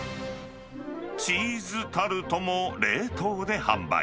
チーズタルトも冷凍で販売。